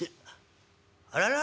あらら？